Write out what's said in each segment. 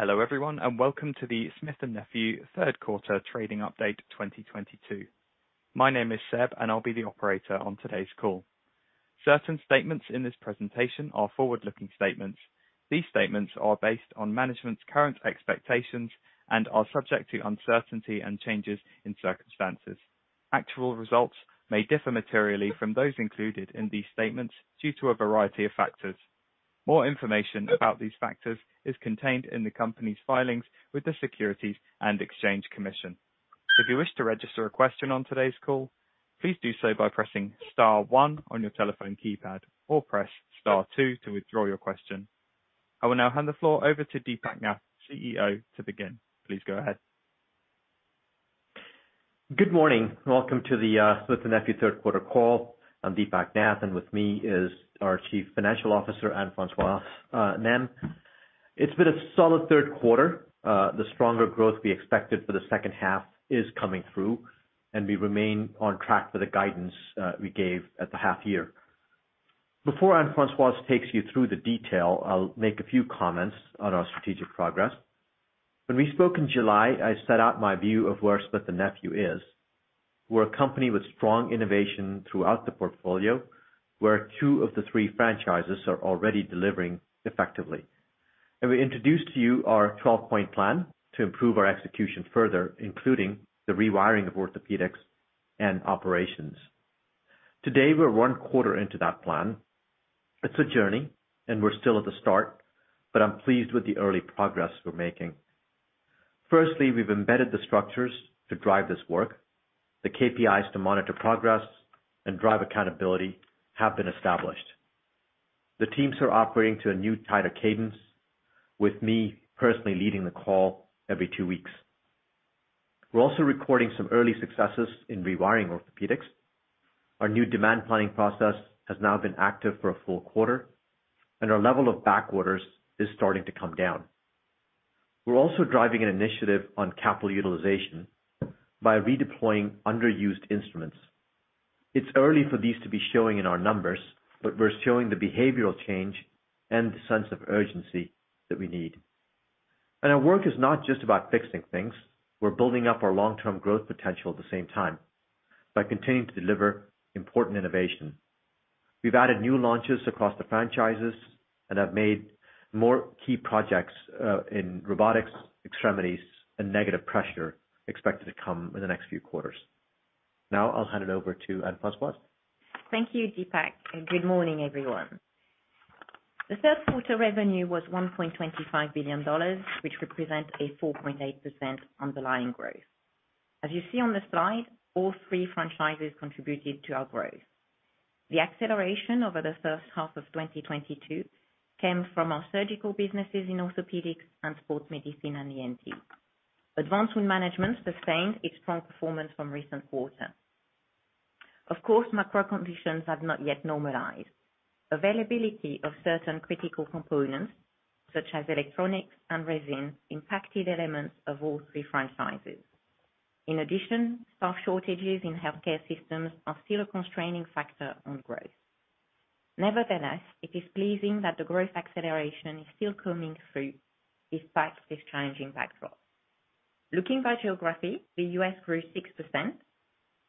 Hello, everyone, and welcome to the Smith & Nephew third quarter trading update 2022. My name is Seb, and I'll be the operator on today's call. Certain statements in this presentation are forward-looking statements. These statements are based on management's current expectations and are subject to uncertainty and changes in circumstances. Actual results may differ materially from those included in these statements due to a variety of factors. More information about these factors is contained in the company's filings with the Securities and Exchange Commission. If you wish to register a question on today's call, please do so by pressing star one on your telephone keypad, or press star two to withdraw your question. I will now hand the floor over to Deepak Nath, CEO, to begin. Please go ahead. Good morning. Welcome to the Smith & Nephew third quarter call. I'm Deepak Nath, and with me is our Chief Financial Officer, Anne-Françoise Nesmes. It's been a solid third quarter. The stronger growth we expected for the second half is coming through, and we remain on track for the guidance we gave at the half year. Before Anne-Françoise takes you through the detail, I'll make a few comments on our strategic progress. When we spoke in July, I set out my view of where Smith & Nephew is. We're a company with strong innovation throughout the portfolio, where two of the three franchises are already delivering effectively. We introduced to you our twelve-point plan to improve our execution further, including the rewiring of orthopedics and operations. Today, we're one quarter into that plan. It's a journey, and we're still at the start, but I'm pleased with the early progress we're making. Firstly, we've embedded the structures to drive this work. The KPIs to monitor progress and drive accountability have been established. The teams are operating to a new tighter cadence with me personally leading the call every two weeks. We're also recording some early successes in rewiring orthopedics. Our new demand planning process has now been active for a full quarter, and our level of back orders is starting to come down. We're also driving an initiative on capital utilization by redeploying underused instruments. It's early for these to be showing in our numbers, but we're showing the behavioral change and the sense of urgency that we need. Our work is not just about fixing things. We're building up our long-term growth potential at the same time by continuing to deliver important innovation. We've added new launches across the franchises and have made more key projects in robotics, extremities, and negative pressure expected to come in the next few quarters. Now, I'll hand it over to Anne-Françoise. Thank you, Deepak, and good morning, everyone. The third quarter revenue was $1.25 billion, which represents a 4.8% underlying growth. As you see on the slide, all three franchises contributed to our growth. The acceleration over the first half of 2022 came from our surgical businesses in orthopedics and sports medicine and ENT. Advanced wound management sustained its strong performance from recent quarter. Of course, macro conditions have not yet normalized. Availability of certain critical components, such as electronics and resin, impacted elements of all three franchises. In addition, staff shortages in healthcare systems are still a constraining factor on growth. Nevertheless, it is pleasing that the growth acceleration is still coming through despite this challenging backdrop. Looking by geography, the U.S. grew 6%,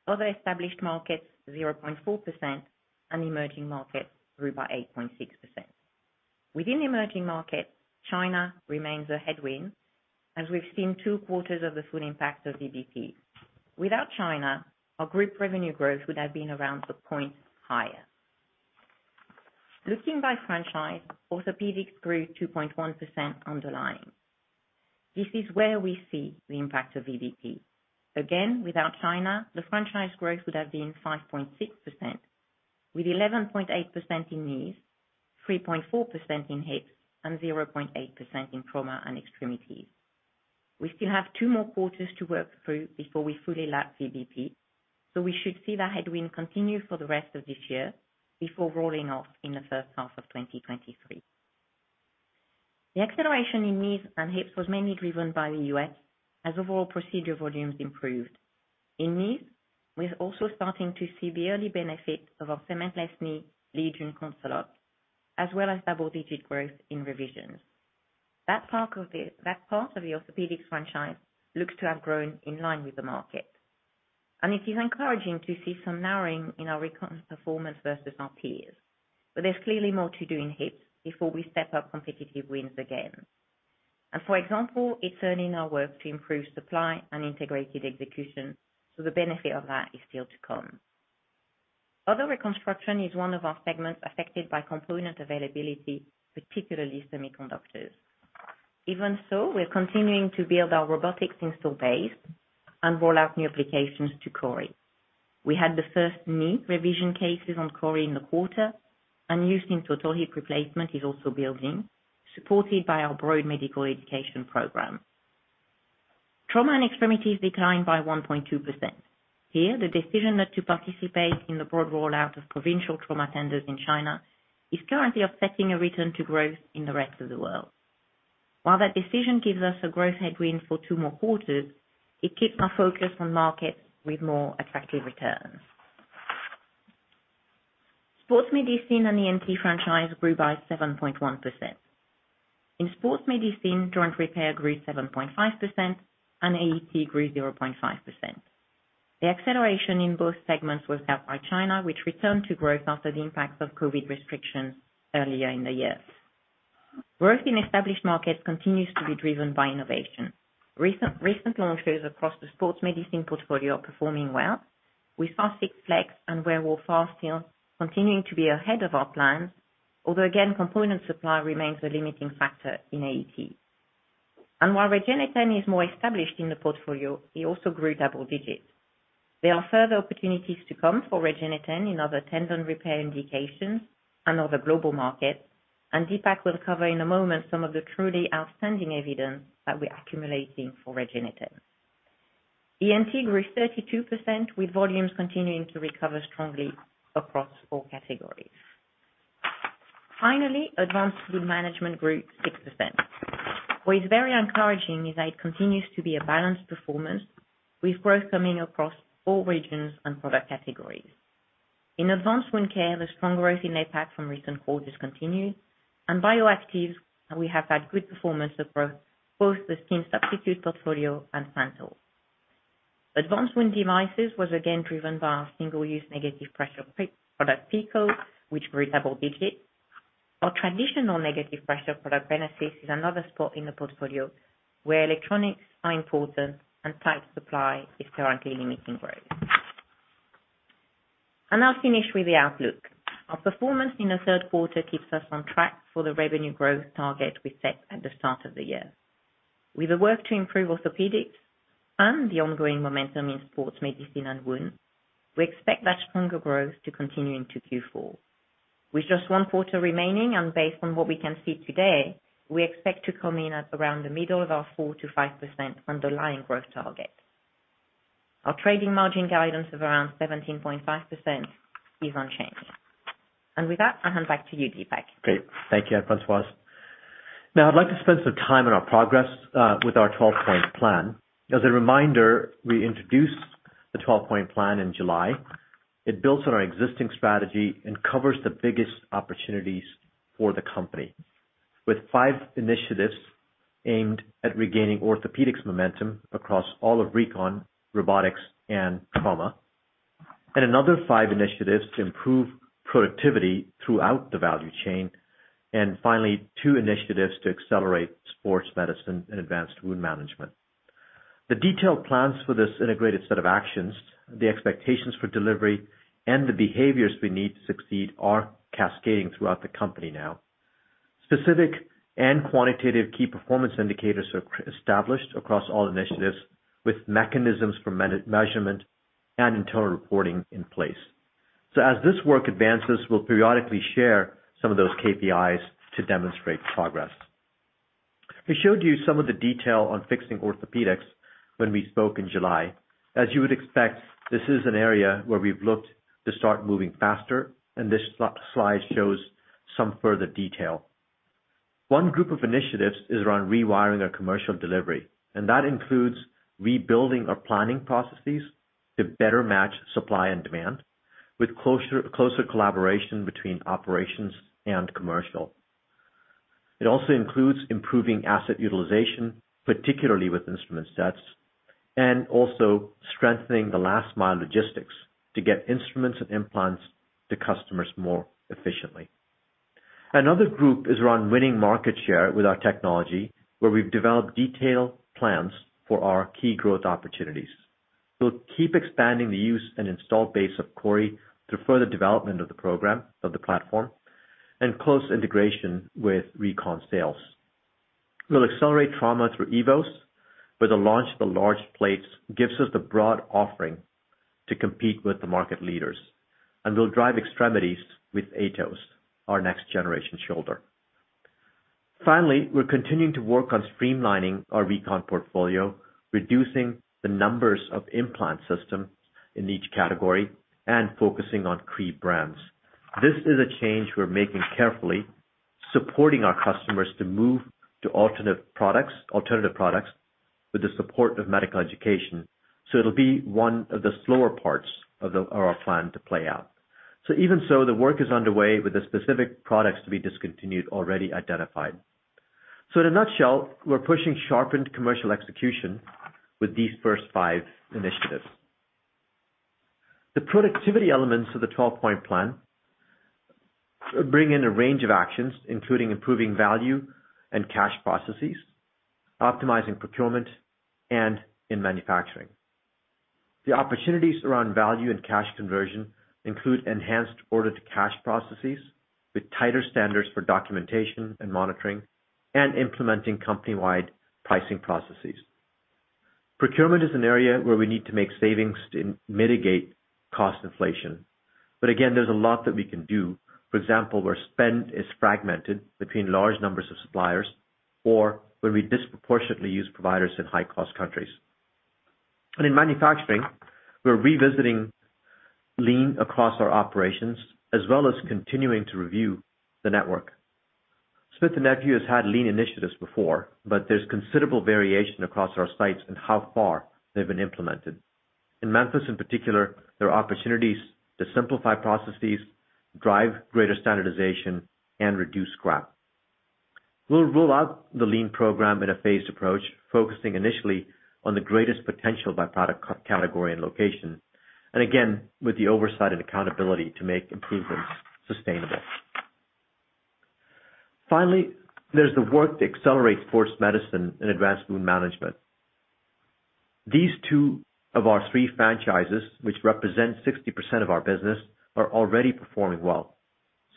other established markets 0.4%, and emerging markets grew by 8.6%. Within emerging markets, China remains a headwind, as we've seen two quarters of the full impact of VBP. Without China, our group revenue growth would have been around one point higher. Looking by franchise, orthopedics grew 2.1% underlying. This is where we see the impact of VBP. Again, without China, the franchise growth would have been 5.6%, with 11.8% in knees, 3.4% in hips, and 0.8% in trauma and extremities. We still have two more quarters to work through before we fully lap VBP, so we should see the headwind continue for the rest of this year before rolling off in the first half of 2023. The acceleration in knees and hips was mainly driven by the U.S. as overall procedure volumes improved. In knees, we're also starting to see the early benefits of our Cementless Knee leadership, as well as double-digit growth in revisions. That part of the orthopedics franchise looks to have grown in line with the market. It is encouraging to see some narrowing in our reconstruction performance versus our peers. There's clearly more to do in hips before we step up competitive wins again. For example, it's early in our work to improve supply and integrated execution, so the benefit of that is still to come. Other reconstruction is one of our segments affected by component availability, particularly semiconductors. Even so, we're continuing to build our robotics installed base and roll out new applications to CORI. We had the first knee revision cases on CORI in the quarter and use in total hip replacement is also building, supported by our broad medical education program. Trauma and extremities declined by 1.2%. Here, the decision not to participate in the broad rollout of provincial trauma tenders in China is currently affecting a return to growth in the rest of the world. While that decision gives us a growth headwind for two more quarters, it keeps our focus on markets with more attractive returns. Sports medicine and ENT franchise grew by 7.1%. In sports medicine, joint repair grew 7.5% and AET grew 0.5%. The acceleration in both segments was helped by China, which returned to growth after the impact of COVID restrictions earlier in the year. Growth in established markets continues to be driven by innovation. Recent launches across the sports medicine portfolio are performing well. We saw SUTUREFIX and WEREWOLF still continuing to be ahead of our plan. Although again, component supply remains a limiting factor in AET. While REGENETEN is more established in the portfolio, it also grew double digits. There are further opportunities to come for REGENETEN in other tendon repair indications and other global markets, and Deepak will cover in a moment some of the truly outstanding evidence that we're accumulating for REGENETEN. ENT grew 32%, with volumes continuing to recover strongly across all categories. Finally, advanced wound management grew 6%. What is very encouraging is that it continues to be a balanced performance, with growth coming across all regions and product categories. In advanced wound care, the strong growth in APAC from recent quarters continued, and bioactives, we have had good performance across both the skin substitute portfolio and SANTYL. Advanced wound devices was again driven by our single-use negative pressure product, PICO, which grew double digits. Our traditional negative pressure product, RENASYS, is another spot in the portfolio where electronics are important and tight supply is currently limiting growth. I'll finish with the outlook. Our performance in the third quarter keeps us on track for the revenue growth target we set at the start of the year. With the work to improve orthopedics and the ongoing momentum in sports medicine and wounds, we expect that stronger growth to continue into Q4. With just one quarter remaining, and based on what we can see today, we expect to come in at around the middle of our 4%-5% underlying growth target. Our trading margin guidance of around 17.5% is unchanging. With that, I'll hand back to you, Deepak. Great. Thank you, Anne-Françoise. Now I'd like to spend some time on our progress with our 12-point plan. As a reminder, we introduced the 12-point plan in July. It builds on our existing strategy and covers the biggest opportunities for the company, with five initiatives aimed at regaining orthopedics momentum across all of recon, robotics, and trauma. Another five initiatives to improve productivity throughout the value chain. Finally, two initiatives to accelerate sports medicine and advanced wound management. The detailed plans for this integrated set of actions, the expectations for delivery, and the behaviors we need to succeed are cascading throughout the company now. Specific and quantitative key performance indicators are established across all initiatives with mechanisms for measurement and internal reporting in place. As this work advances, we'll periodically share some of those KPIs to demonstrate progress. We showed you some of the detail on fixing orthopedics when we spoke in July. As you would expect, this is an area where we've looked to start moving faster, and this slide shows some further detail. One group of initiatives is around rewiring our commercial delivery, and that includes rebuilding our planning processes to better match supply and demand with closer collaboration between operations and commercial. It also includes improving asset utilization, particularly with instrument sets, and also strengthening the last mile logistics to get instruments and implants to customers more efficiently. Another group is around winning market share with our technology, where we've developed detailed plans for our key growth opportunities. We'll keep expanding the use and install base of CORI through further development of the program, of the platform, and close integration with recon sales. We'll accelerate trauma through EVOS, where the launch of the EVOS Large gives us the broad offering to compete with the market leaders. We'll drive extremities with AETOS, our next generation shoulder. Finally, we're continuing to work on streamlining our recon portfolio, reducing the numbers of implant systems in each category and focusing on key brands. This is a change we're making carefully, supporting our customers to move to alternative products with the support of medical education. It'll be one of the slower parts of our plan to play out. Even so, the work is underway with the specific products to be discontinued, already identified. In a nutshell, we're pushing sharpened commercial execution with these first five initiatives. The productivity elements of the 12-point plan bring in a range of actions, including improving value and cash processes, optimizing procurement, and manufacturing. The opportunities around value and cash conversion include enhanced order to cash processes with tighter standards for documentation and monitoring, and implementing company-wide pricing processes. Procurement is an area where we need to make savings to mitigate cost inflation. Again, there's a lot that we can do. For example, where spend is fragmented between large numbers of suppliers or where we disproportionately use providers in high-cost countries. In manufacturing, we're revisiting lean across our operations, as well as continuing to review the network. Smith & Nephew has had lean initiatives before, but there's considerable variation across our sites in how far they've been implemented. In Memphis, in particular, there are opportunities to simplify processes, drive greater standardization, and reduce scrap. We'll roll out the lean program in a phased approach, focusing initially on the greatest potential by product category and location, and again, with the oversight and accountability to make improvements sustainable. Finally, there's the work that accelerates sports medicine and advanced wound management. These two of our three franchises, which represent 60% of our business, are already performing well.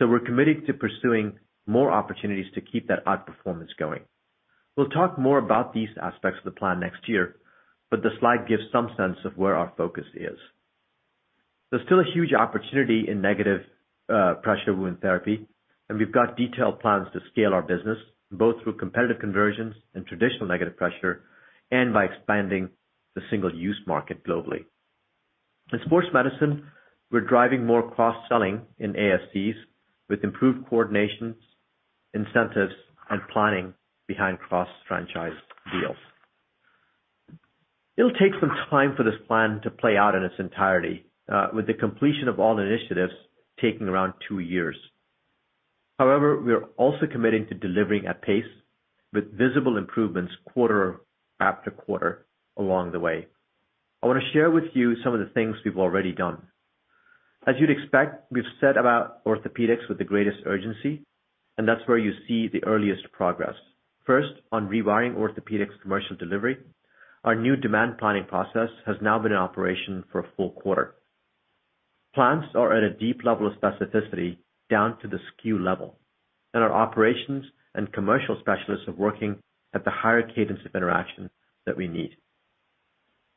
We're committed to pursuing more opportunities to keep that outperformance going. We'll talk more about these aspects of the plan next year, but the slide gives some sense of where our focus is. There's still a huge opportunity in negative pressure wound therapy, and we've got detailed plans to scale our business, both through competitive conversions and traditional negative pressure and by expanding the single-use market globally. In sports medicine, we're driving more cross-selling in ASCs with improved coordination, incentives, and planning behind cross-franchise deals. It'll take some time for this plan to play out in its entirety, with the completion of all the initiatives taking around two years. However, we are also committing to delivering at pace with visible improvements quarter after quarter along the way. I wanna share with you some of the things we've already done. As you'd expect, we've set about orthopedics with the greatest urgency, and that's where you see the earliest progress. First, on rewiring orthopedics commercial delivery, our new demand planning process has now been in operation for a full quarter. Plans are at a deep level of specificity down to the SKU level, and our operations and commercial specialists are working at the higher cadence of interaction that we need.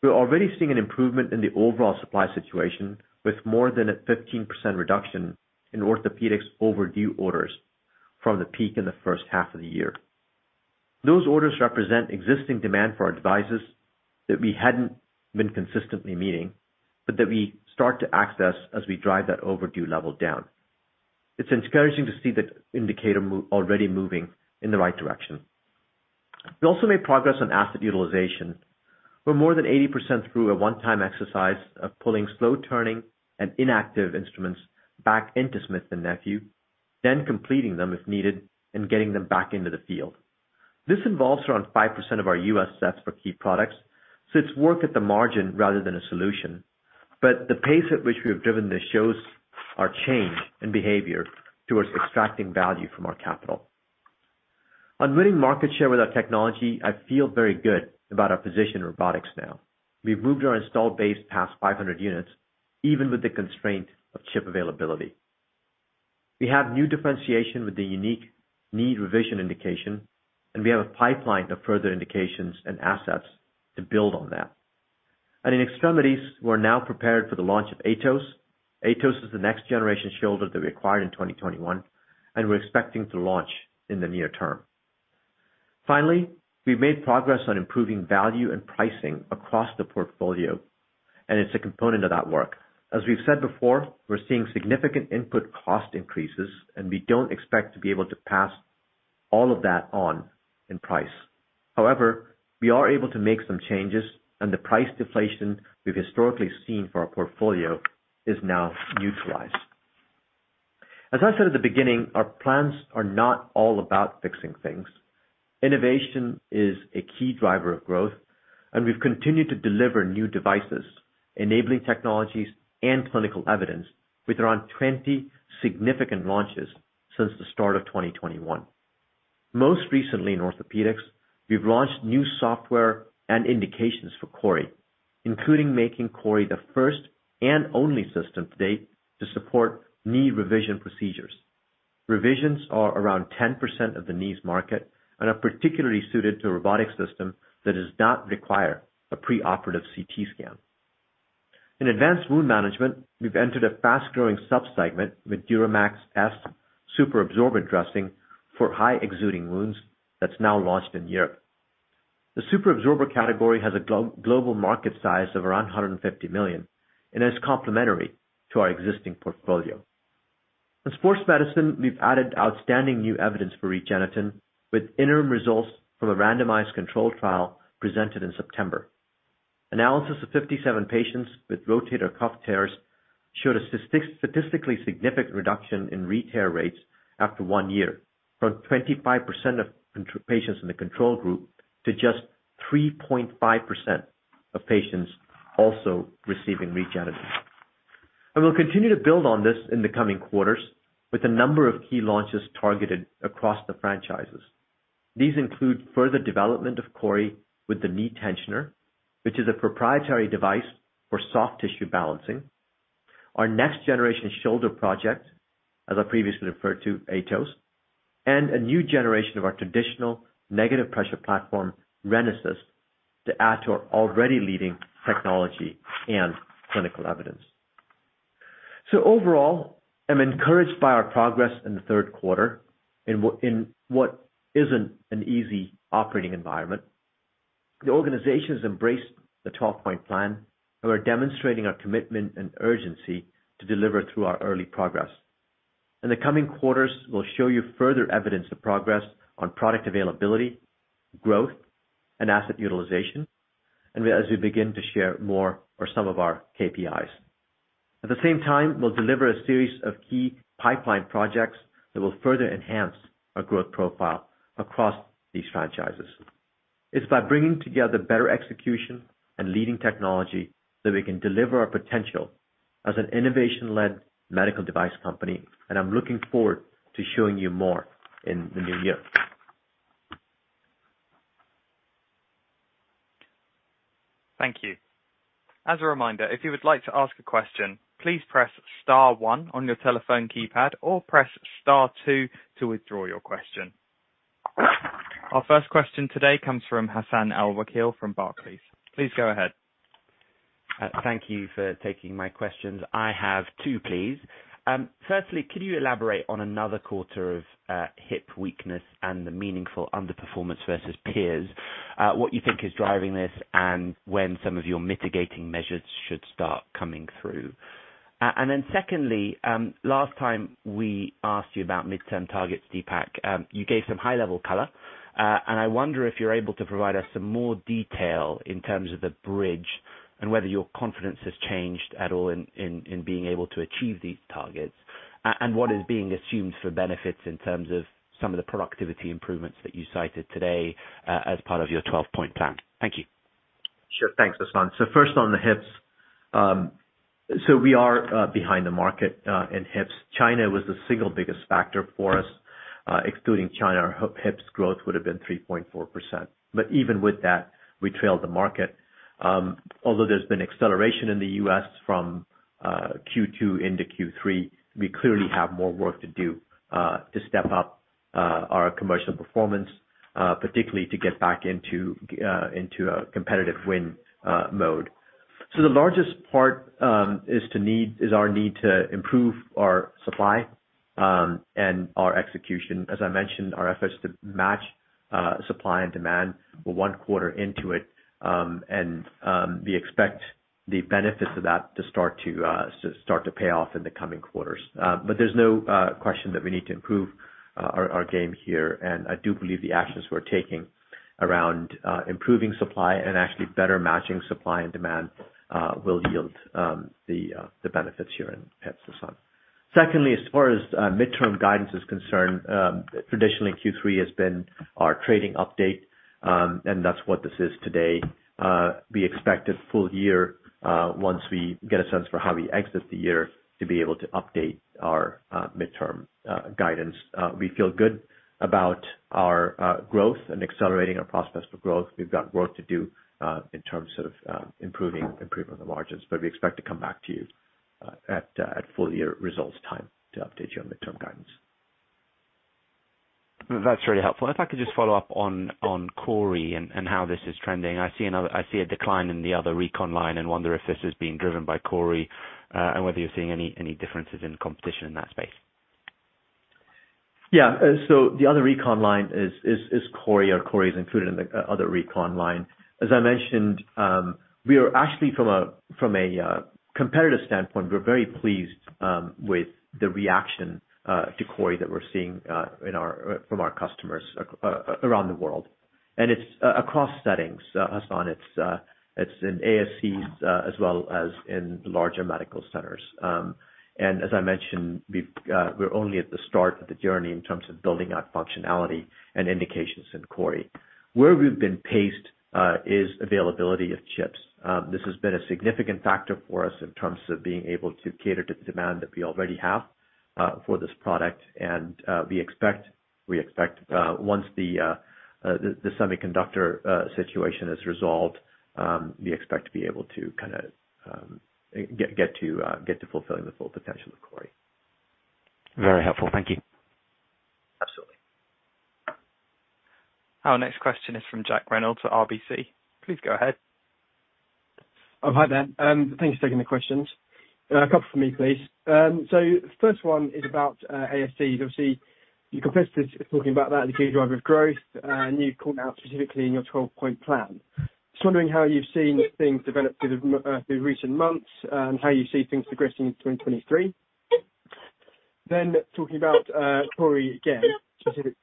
We're already seeing an improvement in the overall supply situation with more than a 15% reduction in orthopedics overdue orders from the peak in the first half of the year. Those orders represent existing demand for our devices that we hadn't been consistently meeting, but that we start to access as we drive that overdue level down. It's encouraging to see the indicator already moving in the right direction. We also made progress on asset utilization. We're more than 80% through a one-time exercise of pulling slow-turning and inactive instruments back into Smith & Nephew, then completing them if needed and getting them back into the field. This involves around 5% of our U.S. sets for key products, so it's work at the margin rather than a solution, but the pace at which we have driven this shows our change in behavior towards extracting value from our capital. On winning market share with our technology, I feel very good about our position in robotics now. We've moved our installed base past 500 units, even with the constraint of chip availability. We have new differentiation with the unique knee revision indication, and we have a pipeline of further indications and assets to build on that. In extremities, we're now prepared for the launch of AETOS. AETOS is the next generation shoulder that we acquired in 2021, and we're expecting to launch in the near term. Finally, we've made progress on improving value and pricing across the portfolio, and it's a component of that work. As we've said before, we're seeing significant input cost increases, and we don't expect to be able to pass all of that on in price. However, we are able to make some changes, and the price deflation we've historically seen for our portfolio is now neutralized. As I said at the beginning, our plans are not all about fixing things. Innovation is a key driver of growth, and we've continued to deliver new devices, enabling technologies and clinical evidence with around 20 significant launches since the start of 2021. Most recently in orthopedics, we've launched new software and indications for CORI, including making CORI the first and only system to date to support knee revision procedures. Revisions are around 10% of the knees market and are particularly suited to a robotic system that does not require a preoperative CT scan. In advanced wound management, we've entered a fast-growing subsegment with DuraMax S super absorbent dressing for high-exuding wounds that's now launched in Europe. The super absorbent category has a global market size of around $150 million and is complementary to our existing portfolio. In sports medicine, we've added outstanding new evidence for REGENETEN with interim results from a randomized controlled trial presented in September. Analysis of 57 patients with rotator cuff tears showed a statistically significant reduction in re-tear rates after one year, from 25% of patients in the control group to just 3.5% of patients also receiving REGENETEN. We'll continue to build on this in the coming quarters with a number of key launches targeted across the franchises. These include further development of CORI with the knee tensioner, which is a proprietary device for soft tissue balancing. Our next generation shoulder project, as I previously referred to, AETOS, and a new generation of our traditional negative pressure platform, RENASYS, to add to our already leading technology and clinical evidence. Overall, I'm encouraged by our progress in the third quarter in what isn't an easy operating environment. The organization has embraced the 12-point plan and we're demonstrating our commitment and urgency to deliver through our early progress. In the coming quarters, we'll show you further evidence of progress on product availability, growth, and asset utilization, as we begin to share more or some of our KPIs. At the same time, we'll deliver a series of key pipeline projects that will further enhance our growth profile across these franchises. It's by bringing together better execution and leading technology that we can deliver our potential as an innovation-led medical device company, and I'm looking forward to showing you more in the new year. Thank you. As a reminder, if you would like to ask a question, please press star one on your telephone keypad or press star two to withdraw your question. Our first question today comes from Hassan Al-Wakeel from Barclays. Please go ahead. Thank you for taking my questions. I have two, please. Firstly, could you elaborate on another quarter of hip weakness and the meaningful underperformance versus peers, what you think is driving this and when some of your mitigating measures should start coming through? Secondly, last time we asked you about midterm targets, Deepak, you gave some high-level color, and I wonder if you're able to provide us some more detail in terms of the bridge and whether your confidence has changed at all in being able to achieve these targets and what is being assumed for benefits in terms of some of the productivity improvements that you cited today, as part of your 12-point plan. Thank you. Sure. Thanks, Hassan. First on the hips. We are behind the market in hips. China was the single biggest factor for us. Excluding China, our hips growth would have been 3.4%. Even with that, we trailed the market. Although there's been acceleration in the U.S. from Q2 into Q3, we clearly have more work to do to step up our commercial performance, particularly to get back into a competitive win mode. The largest part is our need to improve our supply and our execution. As I mentioned, our efforts to match supply and demand, we're one quarter into it, and we expect the benefits of that to start to pay off in the coming quarters. There's no question that we need to improve our game here. I do believe the actions we're taking around improving supply and actually better matching supply and demand will yield the benefits here in hips, Hassan. Secondly, as far as midterm guidance is concerned, traditionally, Q3 has been our trading update, and that's what this is today. We expect a full year once we get a sense for how we exit the year to be able to update our midterm guidance. We feel good about our growth and accelerating our prospects for growth. We've got work to do in terms of improving the margins, but we expect to come back to you at full year results time to update you on midterm guidance. That's really helpful. If I could just follow up on CORI and how this is trending. I see a decline in the other recon line and wonder if this is being driven by CORI, and whether you're seeing any differences in competition in that space. Yeah. So the other recon line is CORI, or CORI is included in the other recon line. As I mentioned, we are actually from a competitive standpoint, we're very pleased with the reaction to CORI that we're seeing from our customers around the world. It's across settings, Hassan. It's in ASCs as well as in larger medical centers. As I mentioned, we're only at the start of the journey in terms of building out functionality and indications in CORI. Where we've been paced is availability of chips. This has been a significant factor for us in terms of being able to cater to demand that we already have for this product. We expect once the semiconductor situation is resolved, we expect to be able to kinda get to fulfilling the full potential of CORI. Very helpful. Thank you. Absolutely. Our next question is from Jack Reynolds-Clark at RBC. Please go ahead. Hi there. Thanks for taking the questions. A couple from me, please. First one is about ASC. Obviously, your competitors are talking about that as a key driver of growth, and you called out specifically in your 12-point plan. Just wondering how you've seen things develop through recent months, how you see things progressing in 2023. Talking about CORI specifically,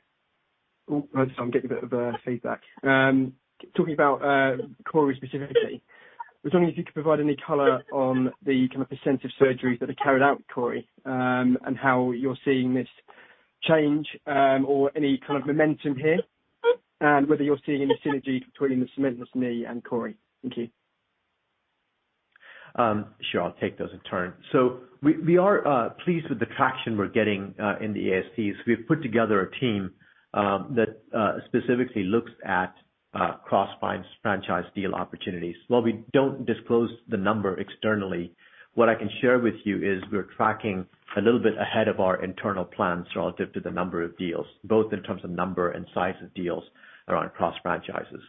I was wondering if you could provide any color on the kind of percent of surgeries that are carried out with CORI, and how you're seeing this change, or any kind of momentum here, and whether you're seeing any synergy between the Cementless Knee and CORI. Thank you. Sure. I'll take those in turn. We are pleased with the traction we're getting in the ASCs. We've put together a team that specifically looks at cross-franchise deal opportunities. While we don't disclose the number externally, what I can share with you is we're tracking a little bit ahead of our internal plans relative to the number of deals, both in terms of number and size of deals around cross franchises.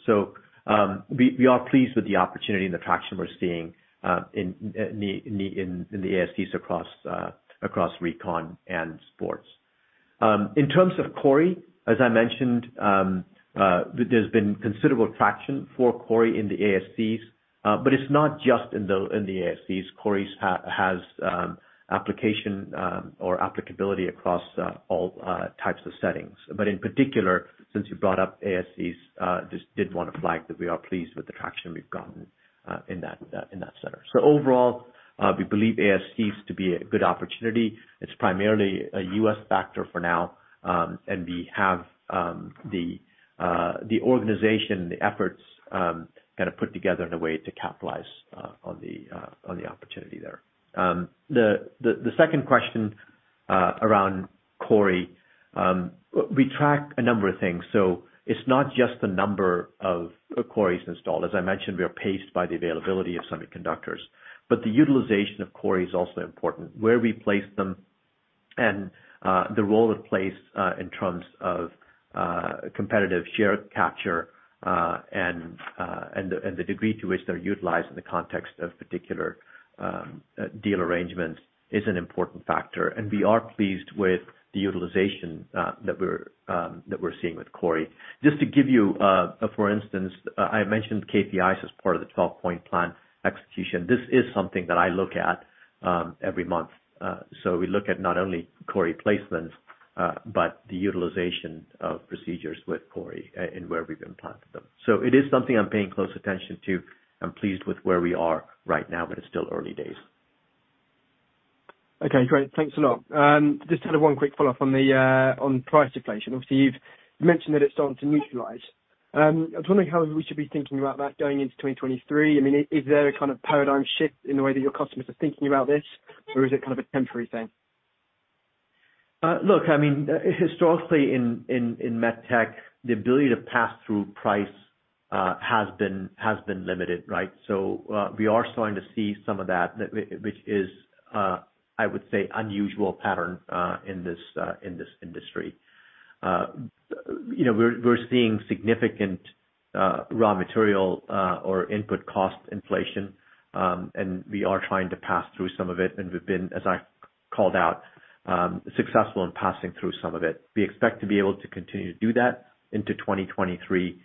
We are pleased with the opportunity and the traction we're seeing in the ASCs across recon and sports. In terms of CORI, as I mentioned, there's been considerable traction for CORI in the ASCs, but it's not just in the ASCs. CORI's has application or applicability across all types of settings. In particular, since you brought up ASCs, just wanna flag that we are pleased with the traction we've gotten in that center. Overall, we believe ASCs to be a good opportunity. It's primarily a U.S. factor for now, and we have the organization, the efforts kinda put together in a way to capitalize on the opportunity there. The second question around CORI. We track a number of things, so it's not just the number of CORI's installed. As I mentioned, we are paced by the availability of semiconductors. The utilization of CORI is also important, where we place them and the role it plays in terms of competitive share capture, and the degree to which they're utilized in the context of particular deal arrangements is an important factor. We are pleased with the utilization that we're seeing with CORI. Just to give you for instance, I mentioned KPIs as part of the 12-point plan execution. This is something that I look at every month. We look at not only CORI placements but the utilization of procedures with CORI and where we've been placing them. It is something I'm paying close attention to. I'm pleased with where we are right now, but it's still early days. Okay, great. Thanks a lot. Just kind of one quick follow-up on price deflation. Obviously, you've mentioned that it's starting to neutralize. I was wondering how we should be thinking about that going into 2023. I mean, is there a kind of paradigm shift in the way that your customers are thinking about this, or is it kind of a temporary thing? Look, I mean, historically in MedTech, the ability to pass through price has been limited, right? We are starting to see some of that, which is, I would say, unusual pattern in this industry. You know, we're seeing significant raw material or input cost inflation, and we are trying to pass through some of it. We've been, as I called out, successful in passing through some of it. We expect to be able to continue to do that into 2023,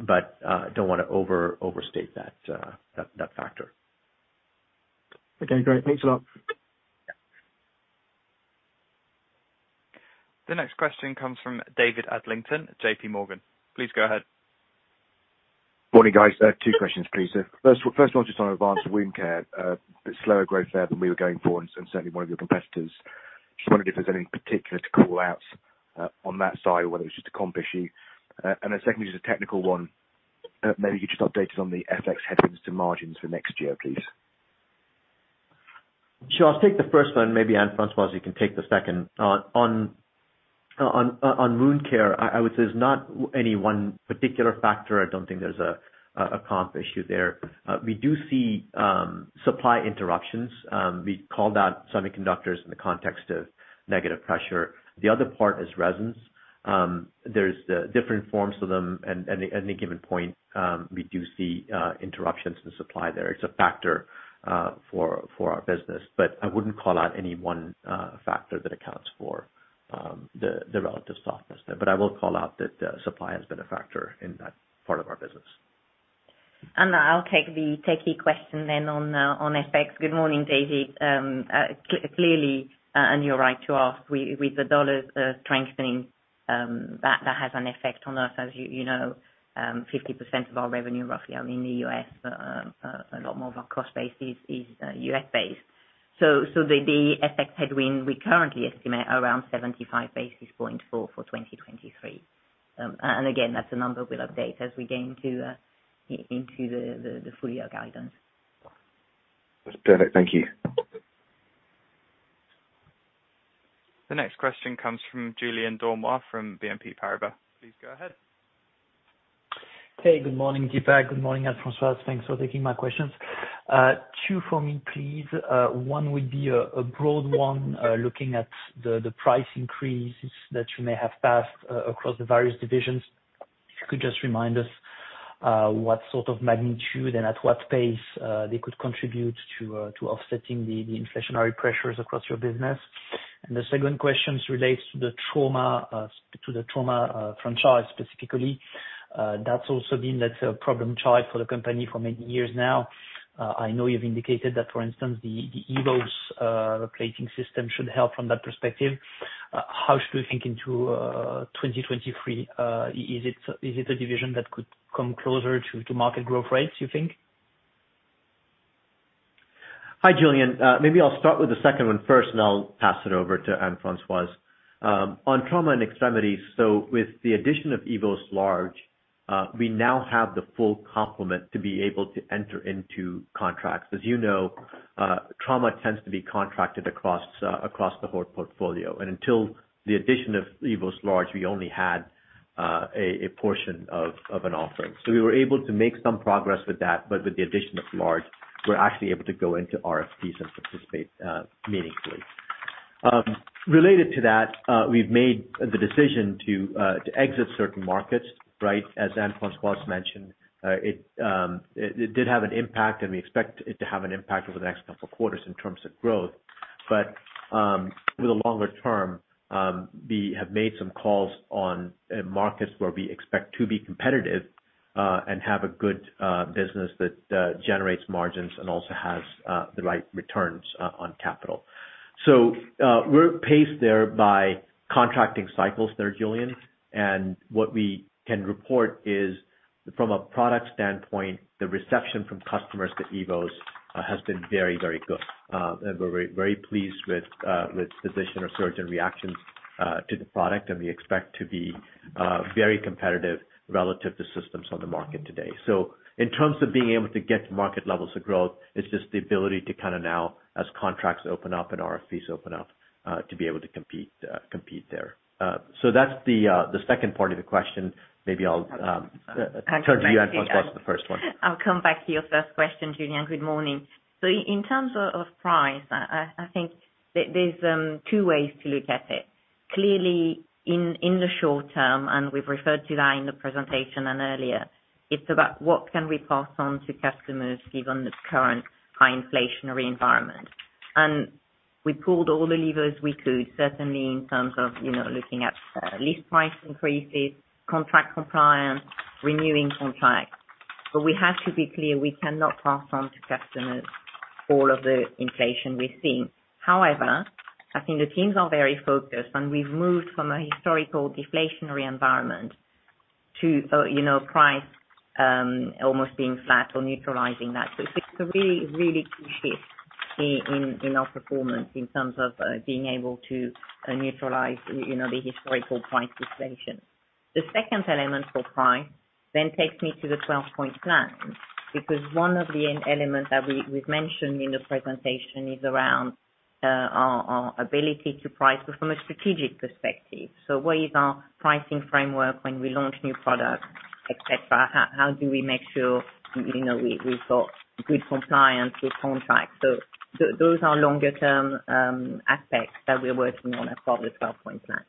but don't wanna overstate that factor. Okay, great. Thanks a lot. The next question comes from David Adlington, JP Morgan. Please go ahead. Morning, guys. Two questions, please. First one just on advanced wound care, slower growth there than we were going for and certainly one of your competitors. Just wondering if there's any particulars to call out, on that side, whether it's just a comp issue. Secondly, just a technical one, maybe you just updated on the FX hedging to margins for next year, please. Sure. I'll take the first one, maybe Anne-Françoise you can take the second. On wound care, I would say there's not any one particular factor. I don't think there's a comp issue there. We do see supply interruptions. We called out semiconductors in the context of negative pressure. The other part is resins. There's different forms to them and at any given point, we do see interruptions in supply there. It's a factor for our business. I wouldn't call out any one factor that accounts for the relative softness there. I will call out that supply has been a factor in that part of our business. I'll take the techie question then on FX. Good morning, David. Clearly, you're right to ask, with the U.S. dollar strengthening, that has an effect on us. As you know, 50% of our revenue roughly are in the U.S., a lot more of our cost base is U.S.-based. The FX headwind, we currently estimate around 75 basis points for 2023. And again, that's a number we'll update as we get into the full year guidance. That's perfect. Thank you. The next question comes from Julien Dormois, from BNP Paribas. Please go ahead. Hey, good morning, Deepak. Good morning, Anne-Françoise. Thanks for taking my questions. Two for me, please. One would be a broad one, looking at the price increases that you may have passed across the various divisions. If you could just remind us what sort of magnitude and at what pace they could contribute to offsetting the inflationary pressures across your business. The second question relates to the trauma franchise specifically. That's also been, let's say, a problem child for the company for many years now. I know you've indicated that, for instance, the EVOS plating system should help from that perspective. How should we think into 2023? Is it a division that could come closer to market growth rates, you think? Hi, Julien. Maybe I'll start with the second one first, and I'll pass it over to Anne-Françoise. On trauma and extremities, with the addition of EVOS Large, we now have the full complement to be able to enter into contracts. As you know, trauma tends to be contracted across the whole portfolio. Until the addition of EVOS Large, we only had a portion of an offering. We were able to make some progress with that, but with the addition of Large, we're actually able to go into RFP and participate meaningfully. Related to that, we've made the decision to exit certain markets, right? As Anne-Françoise mentioned, it did have an impact and we expect it to have an impact over the next couple quarters in terms of growth. Over the longer term, we have made some calls on markets where we expect to be competitive and have a good business that generates margins and also has the right returns on capital. We're paced there by contracting cycles there, Julien. What we can report is, from a product standpoint, the reception from customers to EVOS has been very good. We're very pleased with physician or surgeon reactions to the product, and we expect to be very competitive relative to systems on the market today. In terms of being able to get to market levels of growth, it's just the ability to kind of now, as contracts open up and RFP open up, to be able to compete there. That's the second part of the question. Maybe I'll turn to you. Okay. Thank you. Plus the first one. I'll come back to your first question, Julien. Good morning. In terms of price, I think there's two ways to look at it. Clearly in the short term, and we've referred to that in the presentation and earlier, it's about what can we pass on to customers given the current high inflationary environment. We pulled all the levers we could, certainly in terms of you know looking at list price increases, contract compliance, renewing contracts. We have to be clear, we cannot pass on to customers all of the inflation we're seeing. However, I think the teams are very focused, and we've moved from a historical deflationary environment to you know price almost being flat or neutralizing that. It's a really, really key shift in our performance in terms of being able to neutralize, you know, the historical price deflation. The second element for price then takes me to the 12-point plan. Because one of the end elements that we've mentioned in the presentation is around our ability to price but from a strategic perspective. Where is our pricing framework when we launch new products, et cetera? How do we make sure, you know, we've got good compliance with contracts? Those are longer term aspects that we're working on as part of the 12-point plan.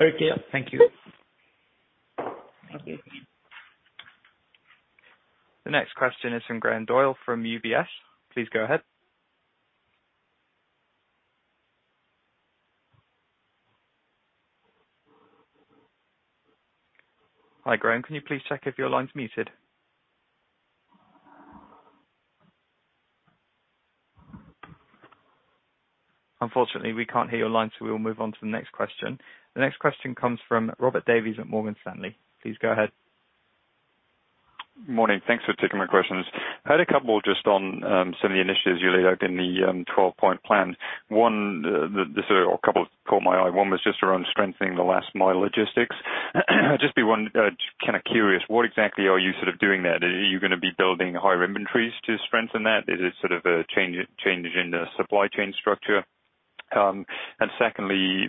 Okay. Thank you. Thank you. The next question is from Graham Doyle from UBS. Please go ahead. Hi, Graham. Can you please check if your line's muted? Unfortunately, we can't hear your line, so we will move on to the next question. The next question comes from Robert Davies at Morgan Stanley. Please go ahead. Morning. Thanks for taking my questions. I had a couple just on some of the initiatives you laid out in the 12-point plan. One, this or a couple caught my eye. One was just around strengthening the last mile logistics. Just kind of curious, what exactly are you sort of doing there? Are you gonna be building higher inventories to strengthen that? Is it sort of a change in the supply chain structure? Secondly,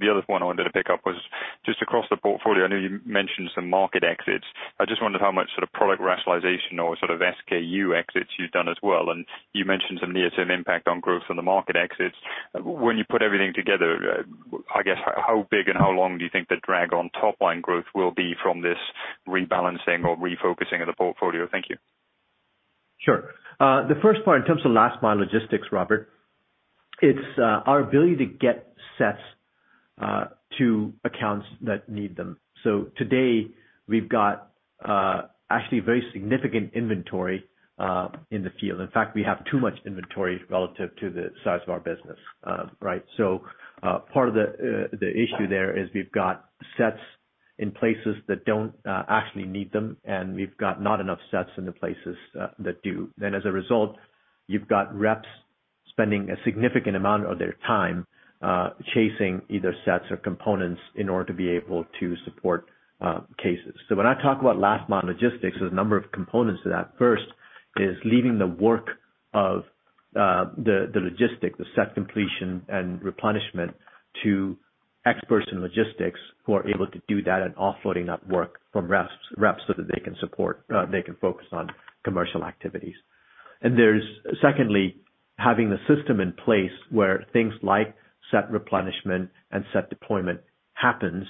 the other point I wanted to pick up was just across the portfolio. I know you mentioned some market exits. I just wondered how much sort of product rationalization or sort of SKU exits you've done as well. You mentioned some near-term impact on growth from the market exits. When you put everything together, I guess, how big and how long do you think the drag on top line growth will be from this rebalancing or refocusing of the portfolio? Thank you. Sure. The first part in terms of last mile logistics, Robert, it's our ability to get sets to accounts that need them. Today we've got actually very significant inventory in the field. In fact, we have too much inventory relative to the size of our business, right? Part of the issue there is we've got sets in places that don't actually need them, and we've got not enough sets in the places that do. As a result, you've got reps spending a significant amount of their time chasing either sets or components in order to be able to support cases. When I talk about last mile logistics, there's a number of components to that. First is leaving the work of the logistics, the set completion and replenishment to experts in logistics who are able to do that and offloading that work from reps so that they can focus on commercial activities. There's secondly, having the system in place where things like set replenishment and set deployment happens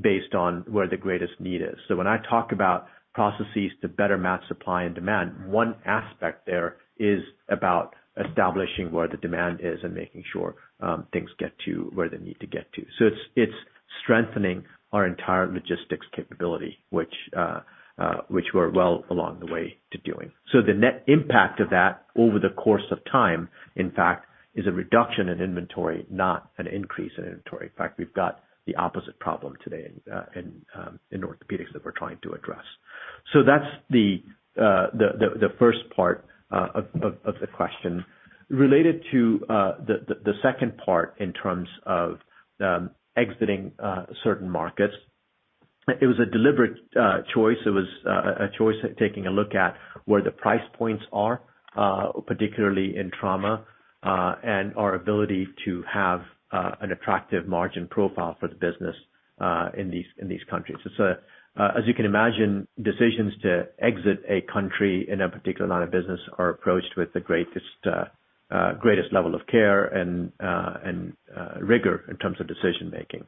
based on where the greatest need is. When I talk about processes to better match supply and demand, one aspect there is about establishing where the demand is and making sure things get to where they need to get to. It's strengthening our entire logistics capability, which we're well along the way to doing. The net impact of that over the course of time, in fact, is a reduction in inventory, not an increase in inventory. In fact, we've got the opposite problem today in orthopedics that we're trying to address. That's the first part of the question. Related to the second part in terms of exiting certain markets, it was a deliberate choice. It was a choice of taking a look at where the price points are, particularly in trauma, and our ability to have an attractive margin profile for the business in these countries. As you can imagine, decisions to exit a country in a particular line of business are approached with the greatest level of care and rigor in terms of decision making.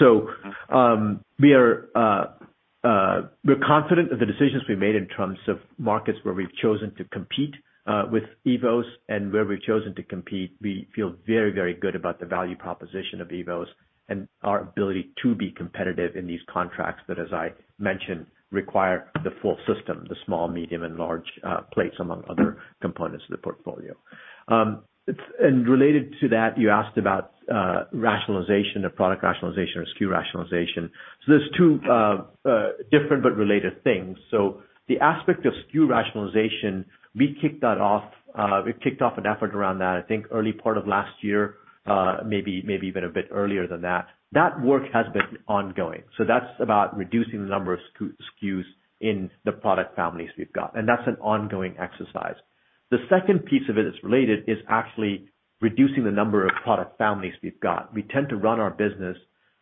We're confident of the decisions we made in terms of markets where we've chosen to compete with EVOS and where we've chosen to compete. We feel very, very good about the value proposition of EVOS and our ability to be competitive in these contracts that, as I mentioned, require the full system, the small, medium and large plates, among other components of the portfolio. It's related to that. You asked about product rationalization or SKU rationalization. There's two different but related things. The aspect of SKU rationalization, we kicked off an effort around that, I think early part of last year, maybe even a bit earlier than that. That work has been ongoing. That's about reducing the number of SKUs in the product families we've got, and that's an ongoing exercise. The second piece of it is related, is actually reducing the number of product families we've got. We tend to run our business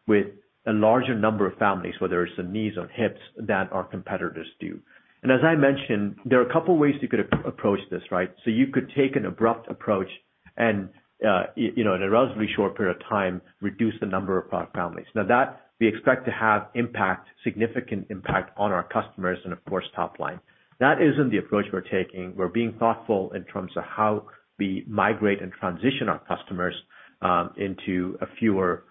with a larger number of families, whether it's in knees or hips than our competitors do. As I mentioned, there are a couple of ways you could approach this, right? You could take an abrupt approach and, you know, in a relatively short period of time, reduce the number of product families. Now that we expect to have impact, significant impact on our customers and of course, top line. That isn't the approach we're taking. We're being thoughtful in terms of how we migrate and transition our customers into a fewer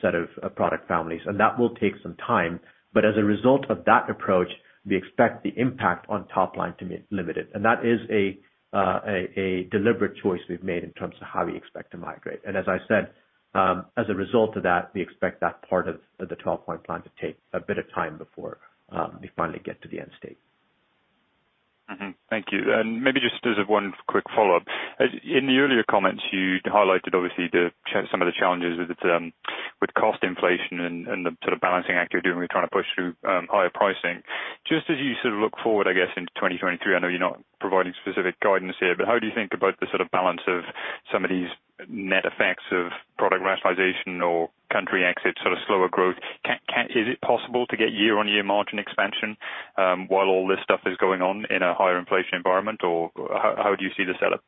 set of product families, and that will take some time. As a result of that approach, we expect the impact on top line to be limited. That is a deliberate choice we've made in terms of how we expect to migrate. As I said, as a result of that, we expect that part of the 12-point plan to take a bit of time before we finally get to the end state. Thank you. Maybe just as one quick follow-up. As in the earlier comments, you highlighted obviously some of the challenges with the term, with cost inflation and the sort of balancing act you're doing when you're trying to push through higher pricing. Just as you sort of look forward, I guess, into 2023, I know you're not providing specific guidance here, but how do you think about the sort of balance of some of these net effects of product rationalization or country exit sort of slower growth? Is it possible to get year on year margin expansion while all this stuff is going on in a higher inflation environment? Or how would you see this set up?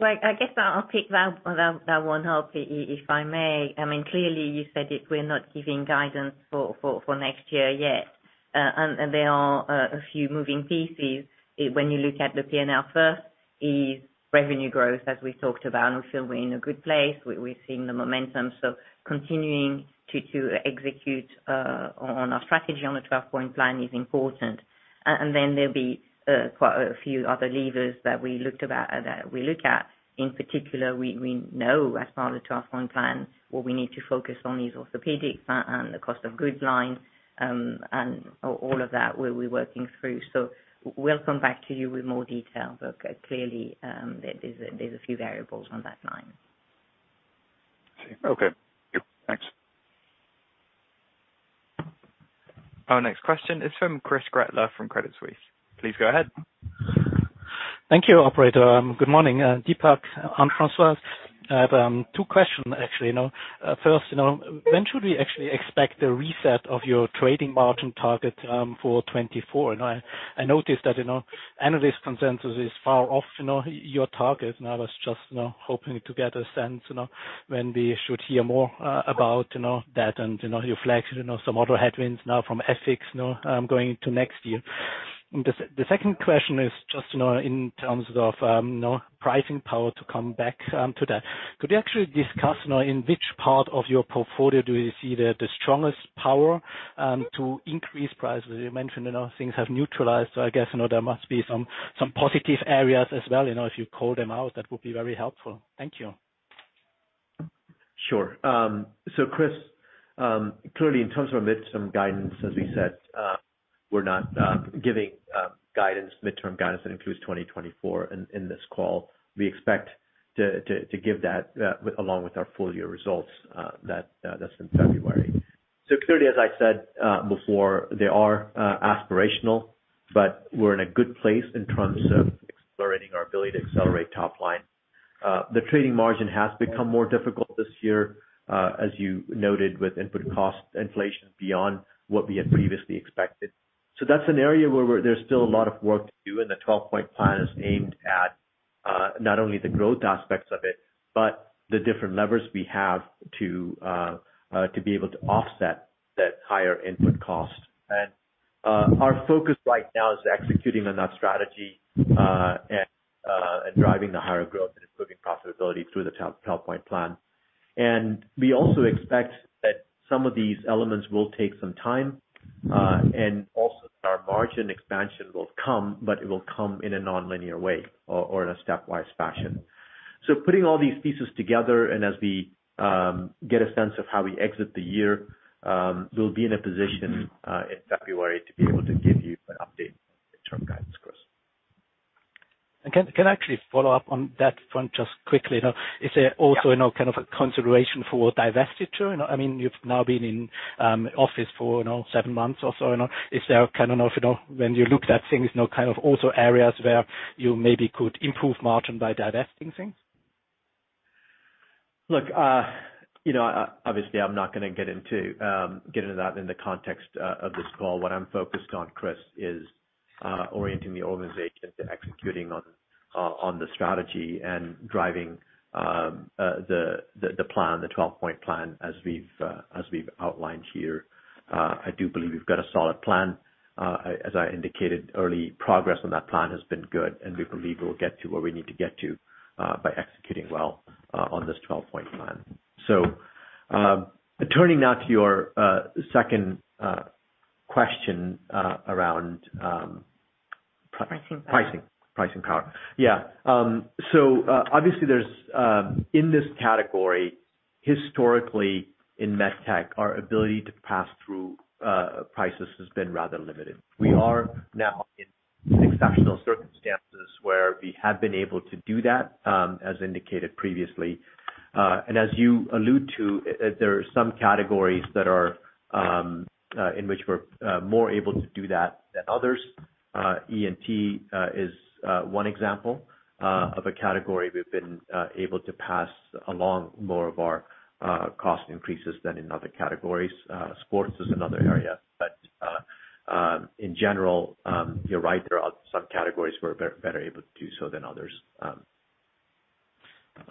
Well, I guess I'll pick that one up, if I may. I mean, clearly you said it, we're not giving guidance for next year yet. There are a few moving pieces. When you look at the P&L, first is revenue growth, as we talked about, and I feel we're in a good place. We've seen the momentum. Continuing to execute on our strategy on the twelve-point plan is important. Then there'll be quite a few other levers that we look at. In particular, we know as part of the twelve-point plan, what we need to focus on is orthopedics and the cost of goods line, and all of that we'll be working through. We'll come back to you with more detail. Clearly, there's a few variables on that line. Okay. Thanks. Our next question is from Christoph Gretler from Credit Suisse. Please go ahead. Thank you, operator. Good morning, Deepak and Anne-Françoise. I have two questions actually, you know. First, you know, when should we actually expect a reset of your trading margin target for 2024? I noticed that, you know, analyst consensus is far off, you know, your target. I was just, you know, hoping to get a sense, you know, when we should hear more about, you know, that and, you know, you flagged, you know, some other headwinds now from FX, you know, going into next year. The second question is just, you know, in terms of, you know, pricing power to come back to that. Could you actually discuss, you know, in which part of your portfolio do you see the strongest power to increase prices? You mentioned, you know, things have neutralized. I guess, you know, there must be some positive areas as well, you know, if you call them out, that would be very helpful. Thank you. Sure. Chris, clearly in terms of our mid-term guidance, as we said, we're not giving midterm guidance that includes 2024 in this call. We expect to give that along with our full year results, that's in February. Clearly, as I said before, they are aspirational, but we're in a good place in terms of exploring our ability to accelerate top line. The trading margin has become more difficult this year, as you noted, with input cost inflation beyond what we had previously expected. That's an area where there's still a lot of work to do, and the 12-point plan is aimed at not only the growth aspects of it, but the different levers we have to be able to offset that higher input cost. Our focus right now is executing on that strategy, and driving the higher growth and improving profitability through the 12-point plan. We also expect that some of these elements will take some time, and also our margin expansion will come, but it will come in a nonlinear way or in a stepwise fashion. Putting all these pieces together and as we get a sense of how we exit the year, we'll be in a position in February to be able to give you an update in interim guidance, Chris. Can I actually follow up on that front just quickly now? Is there also now kind of a consideration for divestiture? You know, I mean, you've now been in office for, you know, seven months or so, you know. Is there kind of, you know, when you looked at things, you know, kind of also areas where you maybe could improve margin by divesting things? Look, you know, obviously, I'm not gonna get into that in the context of this call. What I'm focused on, Chris, is orienting the organization to executing on the strategy and driving the plan, the 12-point plan as we've outlined here. I do believe we've got a solid plan. As I indicated earlier, progress on that plan has been good, and we believe we'll get to where we need to get to by executing well on this 12-point plan. Turning now to your second question around Pricing power. Pricing. Pricing power. Yeah. Obviously, in this category, historically in MedTech, our ability to pass through prices has been rather limited. We are now in exceptional circumstances where we have been able to do that, as indicated previously. As you allude to, there are some categories in which we're more able to do that than others. ENT is one example of a category we've been able to pass along more of our cost increases than in other categories. Sports is another area. In general, you're right, there are some categories we're better able to do so than others.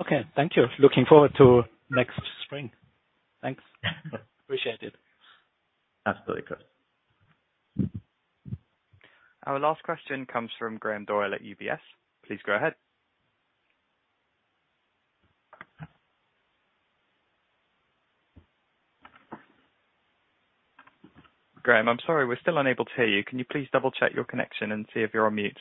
Okay, thank you. Looking forward to next spring. Thanks. Appreciate it. Absolutely, Chris. Our last question comes from Graham Doyle at UBS. Please go ahead. Graham, I'm sorry, we're still unable to hear you. Can you please double-check your connection and see if you're on mute?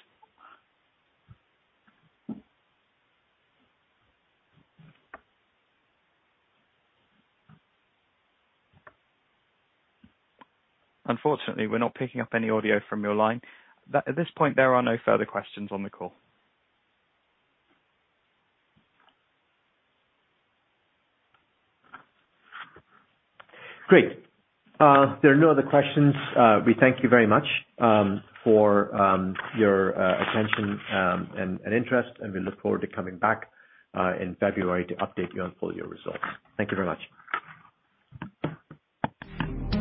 Unfortunately, we're not picking up any audio from your line. At this point, there are no further questions on the call. Great. There are no other questions. We thank you very much for your attention and interest, and we look forward to coming back in February to update you on full year results. Thank you very much. Thank you.